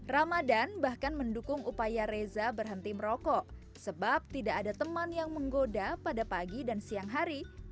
ramadan bahkan mendukung upaya reza berhenti merokok sebab tidak ada teman yang menggoda pada pagi dan siang hari